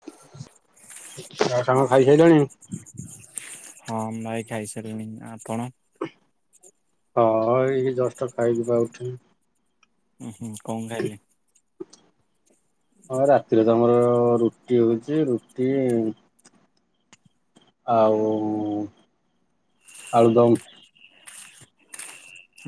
ଆଉ ସାଙ୍ଗ ଖାଇସାରିଲଣି? ହଁ ଭାଇ ଖାଇସାରିଲିଣି ଆପଣ? ହଁ ଏଇି ଜଷ୍ଟ ଖାଇକି ପା ଉଠିଲି। ହୁଁ ହୁଁ କଣ ଖାଇଲେ? ହଁ ରାତିରେ ତମର ରୁଟି ହଉଛି ରୁଟି ଆଉ ଉ ଉ ଆଳୁଦମ୍।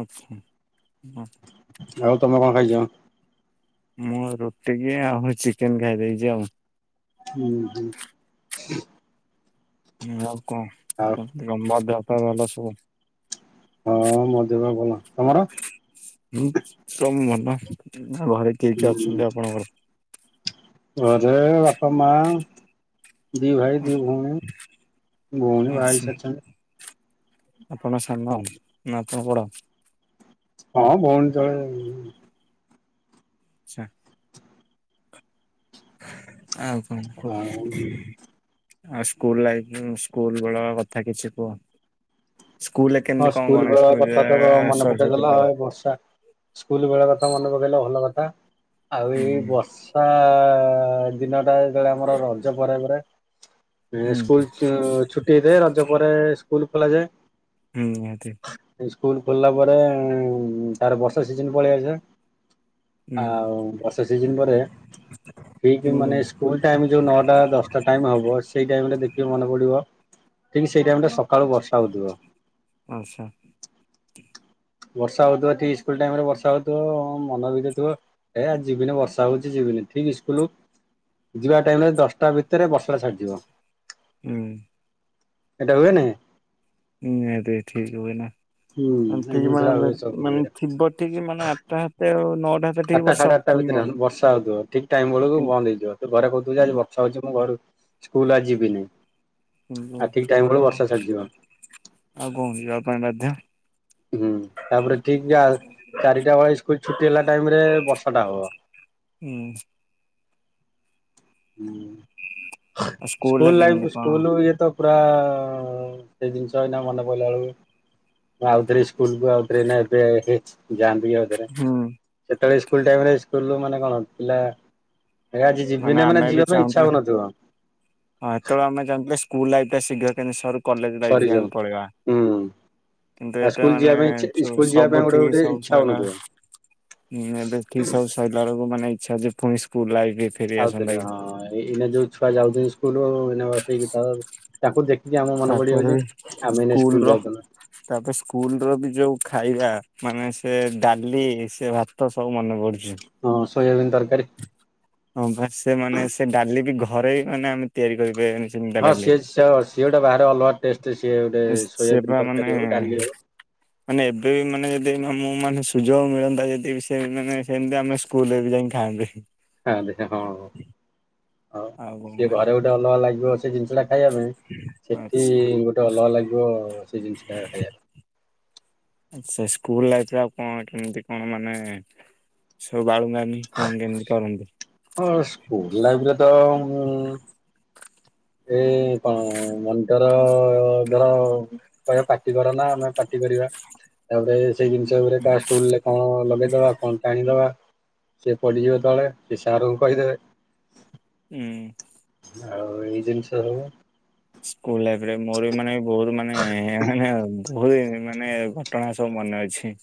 ଆଛା ହଁ। ଆଉ ତମେ କଣ ଖାଇଛ? ମୁଁ ରୁଟି କି ଆଉ ହୁଁ ଚିକେନ ଖାଇଦେଇଛି ଆଉ। ହୁଁ ହୁଁ। ଆଉ ଆଉ କଣ [unintelligible] ଦେହ ପା ଭଲ ସବୁ। ହଁ ମୋ ଦେହ ପା ଭଲ ତମର? ହୁଁ ତ ମନ ଘରେ କିଏ କି ହୁଁ ଅଛନ୍ତି ଆପଣଙ୍କର? ଘରେ ବାପା ମା ଦି ଭାଇ ଦି ଭଉଣୀ ଭଉଣୀ ଭଉଣୀ ବାହା ଆଛା ହେଇସାରିଛନ୍ତି ଆପଣ ସାନ ନା ଆପଣ ବଡ଼? ହଁ ଭଉଣୀ ତଳେ ଆଚ୍ଛା। ଆଉ କଣ କୁହ? ଆଉ ଆଉ ସ୍କୁଲ ଲାଇଫ୍ ସ୍କୁଲ ବେଳ କଥା କିଛି କୁହ? ସ୍କୁଲେ କେ ହଁ ସ୍କୁଲ ବେଳ କଥା ତ ମନେ ପକେଇଦେଲା ପୂଜା ଏ ବର୍ଷା ସ୍କୁଲ ବେଳ କଥା ମନେ ପକେଇଲେ ଭଲ କଥା ଆଉ ହୁଁ ଏଇ ହୁଁ। ବର୍ଷା ଆ ଆ ଆ ଦିନଟା ଯେତେବେଳେ ଆମର ରଜ ପରେ ପରେ ଏ ସ୍କୁଲ ସେ ଛୁଟି ହେଇଥାଏ ରଜ ପରେ ସ୍କୁଲ ଖୋଲାଯାଏ। ହୁଁ ନିହାତି ସ୍କୁଲ ଖୋଲିଲା ପରେ ଏ ଏ ତାର ବର୍ଷା ସିଜନି ପଳେଇଆସେ। ହୁଁ ଆଉ ବର୍ଷା ସିଜିନ ପରେ ଠିକ୍ ହୁଁ ମାନେ ଇସ୍ ସ୍କୁଲ୍ ଟାଇମ୍ ଯୋଉ ନଅଟା ଦଶଟା ଟାଇମ୍ ହବ ସେଇ ଟାଇମ ରେ ଦେଖିବ ମନେ ପଡିବ ଠିକ୍ ସେଇ ଟାଇମି ଟା ସକାଳୁ ବର୍ଷା ହେଉଥିବ। ଆଚ୍ଛା। ବର୍ଷା ହଉଥିବ ଠିକ୍ ସ୍କୁଲ ଟାଇମ ରେ ବର୍ଷା ହଉଥିବ ମନ ଭିତରେ ଥିବ ଏ ଆଜି ଯିବିନି ବର୍ଷା ହଉଛି ଯିବିନି ଠିକ୍ ସ୍କୁଲ ଯିବା ଟାଇମ ରେ ଦଶଟା ଭିତରେ ବର୍ଷାଟା ଛାଡିଯିବ। ହୁଁ। ଏଇଟା ହୁଏନି। ନିହାତି ଠିକ୍ ହୁଏନା ହୁଁ ଏଇ ଠିକ୍ ଜିନିଷ ଟା ମାନେ ହୁଏ ସବୁ ମାନେ ହୁଏ। ଥିବ ଠିକ୍ ମାନେ ଆଠଟା ହେତେ ଆଉ ନଅଟା ହାତେ ଠିକ୍ ଆଠଟା ବର୍ଷା ସାଢେ ହବ ଆଠଟା ପୁଣି ନଅ ଭିତରେ ବର୍ଷା ହଉଥିବ ଠିକ ଟାଇମ ବେଳକୁ କେମିତି ବନ୍ଦ ହେଇଯିବ, ତ ଘରେ କହୁଥିବେ ଆଜି ହୁଁ, ବର୍ ଯାଉଛି ମୁଁ ଘରୁ ସ୍କୁଲ ଆଉ ଯିବିନି କିନ୍ତୁ ଆଉ ଠିକ୍ ସେ ଟାଇମ କହିବ ବେଳକୁ ବର୍ଷା ଛାଡିଯିବ। ଆଉ କଣ କି ଯିବା ପାଇଁ ବାଧ୍ୟ। ହୁଁ ତାପରେ ଠିକ ଜାଲ୍ ଚାରିଟା ବେଳେ ଇସ୍କୁଲ ଛୁଟି ହେଲା ଟାଇମରେ ବର୍ଷାଟା ହବ। ହୁଁ। ହୁଁ ଆଉ ସ୍କୁଲ ସ୍କୁଲରେ କେମିତି ଲାଇଫ କଣ ସ୍କୁଲଇଏ ତ ପୁରା ଆ ଆ ସେଇ ଜିନିଷ ଏଇନା ମନେ ପଡ଼ିଲା ବେଳକୁ ଆଉଥରେ ସ୍କୁଲକୁ ଆଉଥରେ ଏଇନା ଏବେ ହେ ଯାନ୍ତି। ଯିବି ଆଉଥରେ ହୁଁ ସେତେବେଳେ ଇସ୍କୁଲ୍ ଟାଇମରେ ଇସ୍କୁଲ୍ ମାନେ କଣ ପିଲା ଏ ଆଜି ଦିନେ ମାନେ ଆମେ ବି ଯିବା ପାଇଁ ଇଛା ଚାହୁଁଥିଲେ ହଉନଥିବ। ହଁ ସେତେବେଳେ ଆମେ ଚାହୁଁଥିଲେ ସ୍କୁଲ ଲାଇଫ ଟା ଶୀଘ୍ର କେମିତି ସରୁ କଲେଜ ଲାଇଫକୁ ସରିଯାଉ ଆମେ ପଳେଇବା। ହୁଁ କିନ୍ତୁ ଆଉ ଏବେ ସ୍କୁଲ ମାନେ ଯିବା ପାଇଁ ଇଛା ସ୍କୁଲ ଯିବା ସବୁ ପାଇଁ ଗୋଟେ ଠିକ ଗୋଟେ ସବୁ ଇଚ୍ଛା ସଇଲା। ହଉନଥିବ। ହୁଁ ଏବେ ଠିକ୍ ସବୁ ସରିଲା ବେଳକୁ ମାନେ ଇଚ୍ଛା ଯେ ପୁଣି ସ୍କୁଲ ଲାଇଫ୍ ଫେରି ଆସନ୍ତା ଆଉଥରେ କି ହଁ ଏଇନା ଯୋଉ ଛୁଆ ଯାଉଛନ୍ତି ସ୍କୁଲୁ ଉ ଏଇନା ବସେଇକିତ ତାକୁ ଦେଖିକି ଆମ ମନେ ତାପରେ ପଡିଯାଉଛି ବି ଆମେ ଦିନେ ସ୍କୁଲ ଯାଉଥିଲୁ। ତାପରେ ସ୍କୁଲ ର ବି ଯୋଉ ଖାଇବା ମାନେ ସେ ଡାଲି ସେ ଭା ତ ସବୁ ମନେ ପଡୁଚି। ହଁ ସୋୟାବିନ୍ ତରକାରୀ ହଁ ପା ସେ ମାନେ ସେ ଡାଲି ବି ଘରେ ମାନେ ଆମେ ତିଆରି କରିପାରିବେନି? ହଁ ସିଏ ସିଏ ଗୋଟେ ବାହାରେ ଅଲଗା ଟେଷ୍ଟ ସିଏ ଗୋଟେ ସେ ବା ସୋୟାବିନ୍ ମାନେ ତରକାରୀ ହଉ ଡାଲି ହଉ। ମାନେ ଏବେ ବି ମାନେ ଯଦି ମୁଁ ମାନେ ସୁଯୋଗ ମିଳନ୍ତା ଯଦି ସେ ମାନେ ସେମତି ଆମେ ସ୍କୁଲରେ ବି ଯାଇକି ଖାଆନ୍ତେ। ଖାନ୍ତେ ହଁ ହଉ ଆଉ କଣ ସେ କ ଘରେ ଗୋଟେ ଅଲଗା ଲାଗିବ ସେ ଜିନିଷ ଟା ଖାଇବା ପାଇଁ ସେଠି ଆଚ୍ଛା ଗୋଟେ ଅଲଗା ଲାଗିବ ସେ ଜିନିଷଟା ଖାଇବା ପା ଆ ସେ ସ୍କୁଲ ଲାଇଫରେ ଆଉ କଣ କେମତି କଣ ମାନେ ସବୁ ବାଳୁଙ୍ଗାମି କଣ କେମିତି କରନ୍ତି? ହଁ ସ୍କୁଲ ଲାଇଫରେ ତ ମୁଁ ଏଇ କଣ ମନିଣ୍ଟର୍ ଧର କହିବା ପାଟି କର ନା ଆମେ ପାଟି କରିବା, ତାପରେ ସେଇ ଜିନିଷ ଗୁରାକ କା କଣ ଲଗେଇଦବା କଣ ଟାଣିଦବା ସେ ପଡିଯିବ ତଳେ ସେ ସାର୍ ଙ୍କୁ କହିଦେବେ। ହୁଁ। ଆଉ ଏଇ ଜିନିଷ ସବୁ। ସ୍କୁଲ ଲାଇଫ ରେ ମୋର ବି ମାନେ ବହୁତ ମାନେ ଇ ମାନେ ବହୁତ ମାନେ ଘଟଣା ସବୁ ମନେ ଅଛି।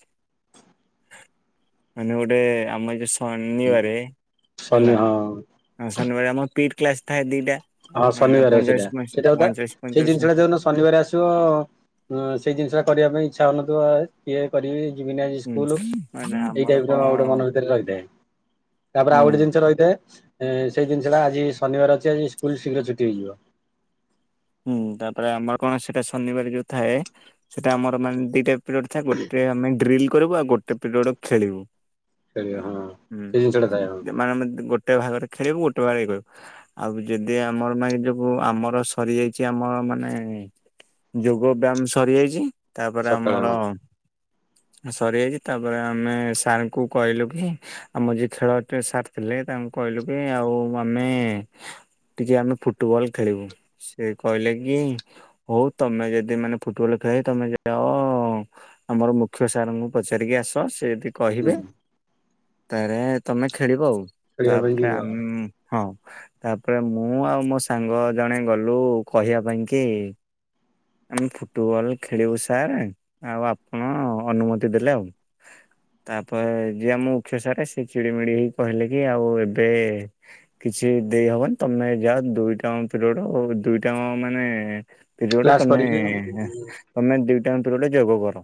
ମାନେ ଗୋଟେ ଆମର ଯଉ ଶନିବାରେ ଶନି ହେଲା। ହଁ ହଁ ଶନିବାର ଆମର ପିଟ୍ କ୍ଲାସ୍ ଥାଏ ଦିଟା। ହଁ ମାନେ ଶନିବାର ସେଇଟା ପଇଁଚାଳିଶ ପଇଁଚା ସେଇଟା କଥା ପଇଁଚାଳିଶ ସେଇ ପଇଁଚାଳିଶ ଜିନିଷ ଟା ଯଉ ଦିନ ଶନିବାର ଆସିବ ସେଇ ଜିନିଷଟା କରିବା ପାଇଁ ଇଚ୍ଛା ହଉନଥିବ ହେ। କିଏ କରିବି ଯିବିନି ଆଜି ହୁଁ ସ୍କୁଲ ମାନେ ଏଇ ଆମର ଟାଇପ ର କଣ ଗୋଟେ ମନ ଭିତରେ ରହିଥାଏ। ତାପରେ ଆଉ ହୁଁ ଗୋଟେ ଜିନିଷ ରହିଥାଏ ସେଇ ଜିନିଷଟା ଆଜି ଶନିବାର ଅଛି ଆଜି ସ୍କୁଲ ଶୀଘ୍ର ଛୁଟି ହେଇଯିବ। ହୁଁ ତାପରେ ଆମର କଣ ସେଟା ଶନିବାର ଯୋଉ ଥାଏ, ସେଟା ଆମର ମାନେ ଦିଟା ପିରିୟଡ଼ ଥାଏ ଗୋଟେ ଆମେ ଡ୍ରିଲ କରିବୁ ଆଉ ଗୋଟେ ପିରିୟଡ଼ ଖେଳିବୁ। ଖେଳିବ ହଁ ହୁଁ ସେ ଜିନିଷଟା ଥାଏ ହଁ ମାନେ ଗୋ ଟେ ଭାଗରେ ଖେଳିବୁ ଗୋଟେ ଭାଗ ଏ କହିବୁ ଆଉ ଯଦି ଆମର ମାଇଣ୍ଡିକୁ ଆମର ସରି ଯାଇଛି ଆମ ମାନେ ଯୋଗ ବ୍ୟାମ ସରିଯାଇଛି। ତାପରେ ସକାଳେ ଆମର। ହଁ ସରିଯାଇଛି ତାପରେ ଆମେ ସାର୍ ଙ୍କୁ କହିଲୁ କି। ଆମ ଯିଏ ଖେଳ ଟେ ସାର ଥିଲେ ତାଙ୍କୁ କହିଲୁ କି ଆଉ ଆମେ। ଟିକେ ଆମେ ଫୁଟବଲ ଖେଳିବୁ ସେ କହିଲେ କି। ହଉ ତମେ ଯଦି ମାନେ ଫୁଟବଲ ଖେଳାଳୀ ତମେ ଯାଅ। ଆମର ମୁଖ୍ୟ ସାରଙ୍କୁ ପଚାରିକି କି ଆସ ସେ ଜଦି। କହିବେ ହୁଁ ତାହେରେ ତମେ ଖେଳିବ ଆଉ, ଖେଳିବା ପାଇଁ ତାପରେ ଯିବ ଆମ ଆଉ ହଁ ତାପରେ ମୁଁ ଆଉ ମୋ ସାଙ୍ଗ ଜଣେ। ଗଲୁ କହିବା ପାଇଁ କି? ଆମେ ଫୁଟବଲ୍ ଖେଳିବୁ ସାର୍ ଆଉ ଆପଣ ଅନୁମତି ଦେଲେ ଆଉ। ତାପରେ ଯିଏ ଆମ ମୁଖ୍ୟ ସାରେ ସେ ଚିଡିମିଡି ହେଇକି କହିଲେ କି ଆଉ ଏବେ। କିଛି ଦେଇ ହବନି ତମେ ଯାଅ ଦୁଇଟା ଆଙ୍କ ପିରିୟଡ଼ ‌। ତ ଦୁଇଟା ଆଙ୍କ ମାନେ ପରିଓଡ଼ କ୍ଲାସ ତମେ। କରିକି ହୁଁ ତମେ ଦୁଇଟାଙ୍କ ପିରିୟଡ ଯୋଗ କର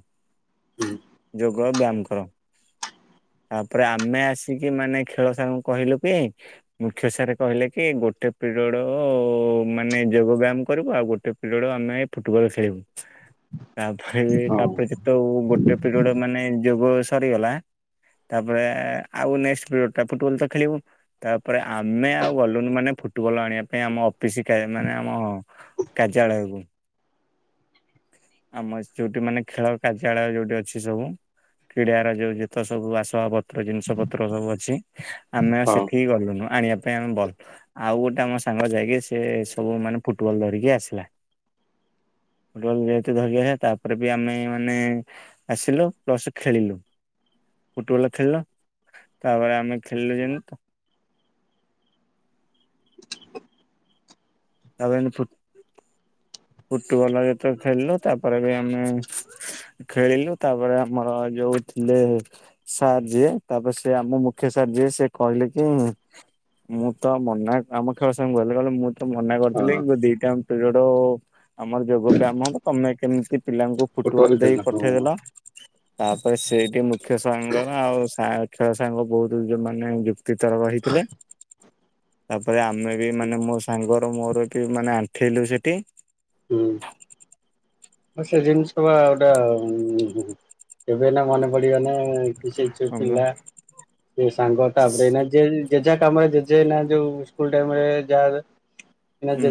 ଯୋଗ ଆଉ ବ୍ୟାମ କର। ତାପରେ ଆମେ ଆସିକି ମାନେ ଖେଳ ସାର୍ ଙ୍କୁ କହିଲୁ କି? ମୁଖ୍ୟ ସାରେ କହିଲେ କି ଗୋଟେ ପିରିୟଡ଼। ମାନେ ଯୋଗ ବ୍ୟାୟାମ କରିବୁ ଆଉ ଗୋଟେ ପିରିୟଡ ଆମେ ଫୁଟବଲ୍ ଖେଳିବୁ। ତାପରେ ହଁ ତାପରେ ଯେତେବେଳୁ ଗୋଟେ ପିରିୟଡ଼ ମାନେ ଯୋଗ ସରିଗଲା। ତାପରେ ଆଉ ନେଷ୍ଟ୍ ପିରିୟଡ଼ଟା ଫୁଟବଲ୍ ତ ଖେଳିବୁ। ତାପରେ ଆମେ ଆଉ ଗଲୁନୁ ମାନେ ଫୁଟବଲ୍ ଆଣିବା ପାଇଁ ଆମ ଅ କେ ମାନେ ଆମ କାର୍ଯ୍ୟାଳୟକୁ। ଆମର ଯୋଉଠି ମାନେ ଖେଳ କାର୍ଯ୍ୟାଳୟ ଯୋଉଠି ଅଛି ସବୁ। କ୍ରୀଡ଼ାର ଯୋଉ ଯେତେ ସବୁ ଆସବାବ ପତ୍ର ଜିନିଷ ପତ୍ର ସବୁ ଅଛି। ଆମେ ଆଉ ହଁ ସେଠିକି ଗଲୁନୁ ଆଣିବା ପାଇଁ ଆମ ବଲ୍ ଆଉ ଗୋଟା ଆମ ସାଙ୍ଗ ଯାଇକି। ଏ ସବୁ ମାନେ ଫୁଟବଲ ଧରିକି ଆସିଲା। ଫୁଟବଲ ଯେହେତୁ ଧରିକି ଆସିଲା ତାପରେ ବି ଆମେ ମାନେ। ଆସିଲୁ ପ୍ଲସ ଖେଳିଲୁ। ଫୁଟବଲ ଖେଳିଲ ତାପରେ ଆମେ ଖେଳିଲୁ ଯେମି ତ। ତାପରେ ଆମେ ଫୁଟ୍ ଫୁଟବଲ ଯେତେବେଳେ ଖେଳିଲୁ ତାପରେ ବି ଆମେ। ଖେଳିଲୁ ତାପରେ ଆମର ଯୋଉ ଥିଲେ। ସାର୍ ଯିଏ ତାପରେ ସିଏ ଆମ ମୁଖ୍ୟ ସାର୍ ଯିଏ ସିଏ କହିଲେ କି। ମୁଁ ତ ମନା ଆମ ଖେଳ ସାର ଙ୍କୁ କହିଲେ କହିଲେ ମୁଁ। ତ ମନା ହଁ କରିଥିଲେ କି ଦିଟା ଯାଙ୍କ ପିରିଅଡ ଆମର ଯୋଗ ବ୍ୟାମ ହବ ତମେ କେମିତି ପିଲାଙ୍କୁ। ଫୁଟବଲ ଦେଇ ଖେଳିଲ ହଁ ପଠେଇଦେଲ। ତାପରେ ସେଇଠି ମୁଖ୍ୟ ସାର ଙ୍କର ଆଉ ସା‌ ଖେଳ ସାର ସାଙ୍ଗ ବହୁତ ମାନେ ଯୁକ୍ତି ତରକ ହେଇଥିଲେ। ତାପରେ ଆମେ ବି ମାନେ ମୋ ସାଙ୍ଗର ମୋର କି ମାନେ ଆଣ୍ଠେଇଲୁ ସେଠି। ହୁଁ। ହଁ ସେ ଜିନିଷ ବା ଗୋଟା କେବେ ନା ମନେ ପଡିବ ନା। କି ସେଇଠି ସବୁ ହେଲା ପିଲା। ସେ ସାଙ୍ଗ ତାପରେ ଏଇନା ଯେ ଯେଝା କାମରେ ଜେ ଜେ ଏଇନା ଯୋଉ ସ୍କୁଲ ଟାଇରେ ଯା ହେଲେ। ଉଁ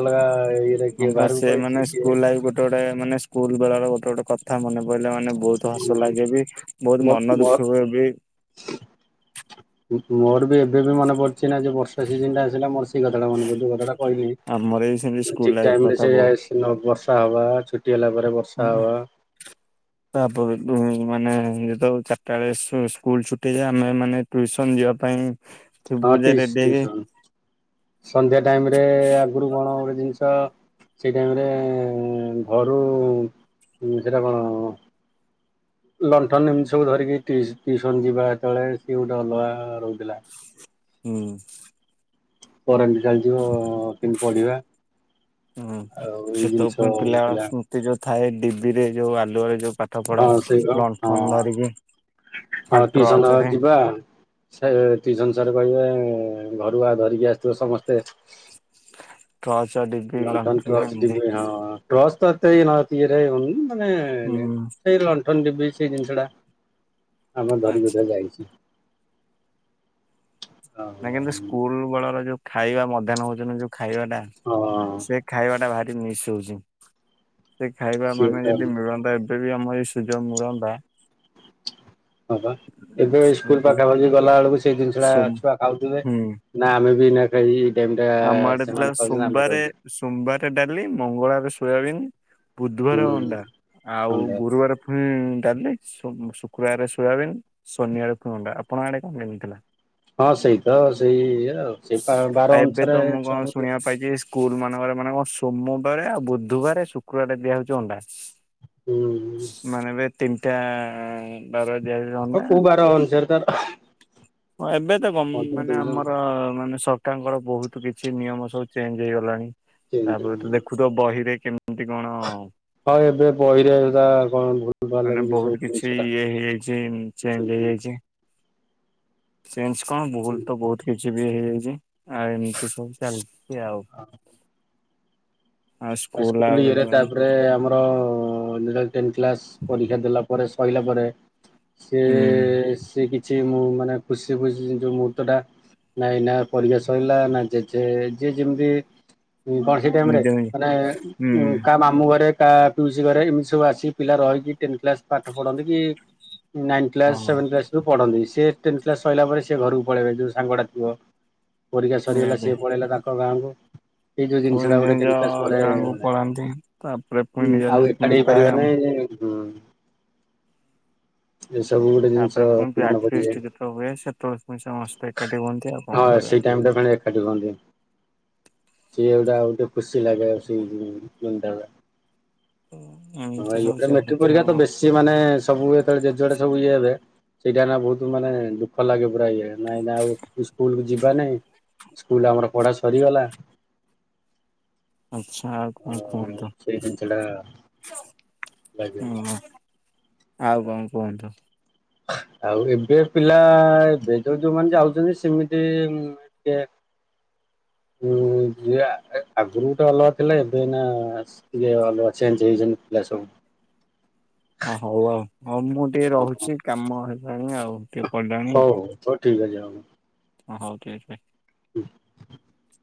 ଅଲଗା ଇଏରେ କିଏ ହଁ ବା ବାହାରକୁ ସେ ପଳେଇଛି ମାନେ କିଏ ସ୍କୁଲ ଲାଇଫି ଗୋଟେ। ଗୋଟେ ଗୋଟେ ମାନେ ସ୍କୁଲ ବେଳ ର ଗୋଟେ ଗୋଟେ କଥା ମନେ ପଡିଲେ ମାନେ। ବହୁତ ହସ ଲାଗେ ବି ବହୁତ ମୋ ମନ ମୋ ଦୁଃଖ ହୁଏ ବି। ମୋର ବି ଏବେ ବି ମନେ ପଡିଛି ନା ଯୋଉ ବ ର୍ଷା ଶିଜନ ଟା ଆସିଲା ମୋର ସେଇ କଥାଟା ମନେ ପଡୁଛି ଯୋଉ କଥାଟା କହିଲି। ଆମର ବି ସେମିତି ସ୍କୁଲ ଠିକ ଲାଇଫ ଟାଇମ ରେ କଥା ସେ ବହୁତ। ସେଇନ ବର୍ଷା ହବା ଛୁଟି ହେଲା ପରେ ବର୍ ହୁଁ। ତ ପୁ ପୁ ମାନେ ଯେତେ ବେଳେ ଚାରିଟା ବେଳେ ସୁ ସ୍କୁଲ ଛୁଟି ହେଇ ଯାଏ ଆମେ ମାନେ ଟ୍ୟୁସନ ଯିବା ପାଇଁ। ତୋ ହଁ ବୋଉ ଜାଇ ଟିସ୍ ରେଡି ହେଇ ଟିଉସନ ସନ୍ଧ୍ୟା ଟାଇମ ରେ ଆଗରୁ କଣ ଗୋଟେ ଜିନିଷ ସେଇ ଟାଇମରେ ଘରୁ ସେଇଟା କଣ ଲଣ୍ଠନ ଏମିତି ସବୁ ଧରିକି ଟି ଟିସନ ଯିବା ଯେତେବେଳେ ସିଏ ଗୋଟେ ଅଲଗା ରହୁଥିଲା। ହୁଁ କରେଣ୍ଟ ଚାଲିଯିବ କେମତି ପଢିବା ଆଉ ଏଇ ଜିନିଷ ଥିଲା ସେ ଯୋଉ ଥାଏ ଡିିବିରେ ଯୋଉ ଆଲୁଆରେ ଯୋଉ ପା ହଁ ସେଇ କଣ ହଁ ହଁ ଆଉ ଟିସନ ଟ୍ରର୍ଚରେ ଯିବା। ସାର୍ ଟିଉସନ ସାରେ କହିବେ ଘରୁଆ ଧରିକି ଆସିଥିବ ସମସ୍ତେ ଟର୍ଚ୍ଚ ଡି ଲଣ୍ଠନ ଥିବ ସେ ଡିବି ହଁ ଟର୍ଚ୍ଚ ତ ଏତେ ଇଏରେ ହୋଉନି ମାନେ ହୁଁ ସେଇ ଲଣ୍ଠନ ଡିବି ସେଇ ଜିନିଷ ଟା ଆମର ଆଚ୍ଛା। ଧରିିକି ଯାଇଚୁ। ନା କିନ୍ତୁ ସ୍କୁଲ ବେଳର ଯେଉଁ ଖାଇବା ମଧ୍ୟାହ୍ନ ଭୋଜନର ଯେଉଁ ଖାଇବାଟା। ହଁ ସେ ଖାଇବା ଟା ଭାରି ମିସ୍ ହଉଛି ସେ ଖାଇବା ସିଏ ମାନେ ତ ଯଦି ମିଳନ୍ତା ଯଦି ଆମ ଏ ସୁଯୋଗ ମିଳନ୍ତା ହଁ ପା ଏବେ ସ୍କୁଲ ସବୁ ପାଖାପାଖି ଗଲା ବେଳକୁ ସେଇ ଜିନିଷ ଟା ସୋମ ଛୁଆ ଖାଉଥିବେ ହୁଁ ନା ଆମେ ବି ନା ଖାଇ ଏଇ ଟାଇମ୍ ଟା ସେମାନେ ଖାଉଛନ୍ତି ଆମେ ଖାଉଛ। ସୋମବାର ଡାଲି ମଙ୍ଗଳବାର ସୋୟାବିନ୍ ହୁଁ ବୁଧବାର ଅଣ୍ଡା ଆଉ ସନ୍ଧ୍ୟା। ଗୁରୁବାର ହୁଁ ଡାଲି ଶୁ ଶୁକ୍ରବାରେ ସୋୟାବିନ ଶନିବାର ତ ଅଣ୍ଡା ଆପଣଙ୍କ ଆଡେ କଣ ମିଳିଥିଲା। ହଁ ସେଇ ତ ସେଇ ଇଏ ଆଉ ସେଇ ବାର ଆଉ ଏବେ ଅନୁସାରେ ତ ମୁଁ ଛୁଆଙ୍କୁ ଦି [unintelligible] ସ୍କୁଲ ମାନଙ୍କରେ ମାନେ କଣ ସୋମବାର ଆଉ ବୁଧବାର ଶୁକ୍ରବାର ଦିଆ ହଉଛି ଅଣ୍ଡା। ହୁଁ। ମାନେ ଏବେ ତିନିଟା ବାର ହ ଦିଆଯାନ୍ତା କୋଉ ବାର ଅନୁସାରେ ତାର ହଁ ଏବେ ତ ଗ ମାନେ ଆମର ମାନେ ସରକାରଙ୍କର ବହୁତ କିଛି ନିୟମ ସବୁ ଚେଞ୍ଜ ହେଇଗଲାଣି। ତାପରେ ତ ଦଉଛନ୍ତି ଦେଖୁଥିବ ବହିରେ କେମିତି କଣ ହଁ ଏବେ ବହିରେ ଏରା କଣ ଭୁଲ ଭାଲ ଲେଖିଚି ସବୁ ଜିନିଷଟା ଚେନ ଚେଞ୍ଜ ହେଇ ଯାଇଛି। ଚେଞ୍ଜ କଣ ଭୁଲ ତ ବହୁତ କିଛି ବି ହେଇଯାଇଛି ଆଉ ଏମିତି ସବୁ ଚାଲିଛି ଆଉ। ହଉ ଆଉ ଆ ଆଉ ସ୍କୁଲ ଇଏରେ ହୁଁ ତାପରେ ଆମ ର ଯେତେବଳେ ଟେନ୍ତ୍ କ୍ଲାସ ପରୀକ୍ଷା ଦେଲା ପରେ ସଇଲା ପରେ ସିଏ ସିଏ କିଛି ମୁଁ ମାନେ ଖୁସି ଖୁସି ଯୋଉ ମୁହୂର୍ତ୍ତ ଟା ନାଇଁ ନା ପରିକ୍ଷା ସରିଲା ନା ଯେ ଯେ ଯିଏ ଯେମତି [unintelligible] ନିଜେ ନି ଏ ଉଁ ବା କ ମାମୁ ଘରେ କା ପିଉସି ଘରେ ଏମିତି ସବୁ ଆସି ପିଲା ରହିକି ଟେନଥ କ୍ଲାସ ପାଠ ପଢନ୍ତି କି ନାଇନ୍ କ୍ଲାସ ହଁ ସେଭେନ କ୍ଲାସ ରୁ ପଢନ୍ତି ସେ ଟେନ କ୍ଲାସ ସହିଲା ପରେ ସେ ଘରକୁ ପଳେଇବେ ଯୋଉ ସାଙ୍ଗଗୁଡ଼ା ଥିବ ପରୀକ୍ଷା ସରିଗଲା ନିହାତି ସିଏ ପଳେଇଲା ତାଙ୍କ ଗାଁକୁ ଏଇ ଯୋଉ ସବୁ ଜିନିଷ ଟା ନିଜ ଗୋଟେ ନିଜ କେତେ [unintelligible] ପରେ ଗାଁକୁ ପଳାନ୍ତି ତାପରେ ପୁଣି ନିଜ ଆଉ ପୁଣି ଏକାଠି ଥାଏ ହେଇପାରିବ ଆମ ନାଇଁ ଉ ଜିନିଷ ତାପରେ ପୁଣି ମନେ ବ୍ୟାଚ ପଡିଯାଏ ଫିଷ୍ଟି ଯେତବେଳେ ହୁଏ ସେତେବେଳେ ପୁଣି ସମସ୍ତେ ଏକାଟି କୁହନ୍ତି ଆଉ କଣ କରିବା। [unintelligible] ଗୁଡ଼ା ଆଉ ଗୋଟେ ଖୁସି ଲାଗେ ସେଇ ଯୋଉ [unintelligible] ଏମିତି ସବୁ ଚାଲିଛି ଆଉ କଣ କିଛି ମାନେ ସବୁ ଯେତେବେଳେ ଜେ ଯୁଆଡେ ସବୁ ଇଏ ହେବେ ସେଇଟା ଏନା ବହୁତ ମାନେ ଦୁଃଖ ଲାଗେ ପୁରା ଇଏ ନାଇଁ ନା ଆଉ ସ୍କୁଲ କୁ ଯିବା ନାଇଁ ସ୍କୁଲରେ ଆମର ପଢା ସରିଗଲା ଆଚ୍ଛା ଆଉ କଣ କୁହନ୍ତୁ ସେଇ ଜିନିଷ ଟା [unintelligible] ଲାଗେ ହ ଆଉ କଣ କୁହନ୍ତୁ। ଆଉ ଏବେ ପିଲା ଏବେ ଯୋଉ ଯୋଉମାନେ ଯାଉଛନ୍ତି, ସେମିତି କେ [inaudible] ଯଏ ଆଗରୁ ଗୋଟେ ଅଲଗା ଥିଲା ଏବେ ନା [unintelligible] ଟିକେ ଅଲଗଆ ଚେଞ୍ଜ ହେଇଛନ୍ତି [unintelligible] ସବୁ ହଉ ଆଉ ହଉ ମୁଁ ଟିକେ ହଉ ରହୁଛି। କାମ ହେଲାଣି ଆଉ ଟିକେ ପଡିଲାଣି। ହଉ ହଉ ଠିକ୍ ଅଛିା ହ ହଉ ଠିକ ଅଛି ଭାଇ। ହୁ [inaudible]